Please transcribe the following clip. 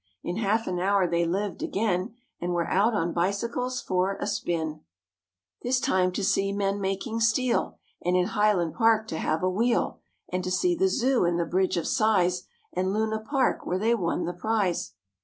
In half an hour they lived again And were out on bicycles for a spin; 156 MORE ABOUT THE ROOSEVELT BEARS This time to see men making steel, And in Highland Park to have a wheel, And to see the Zoo and the Bridge of Sighs, And Luna Park, where they won the prize.